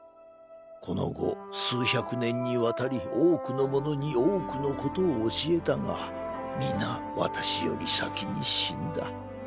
この後数百年にわたり多くの者に多くのことを教えたが皆私より先に死んだ。